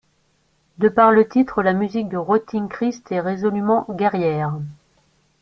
De par le titre, la musique de Rotting Christ est résolument guerrière.